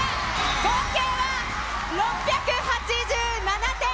合計は６８７点。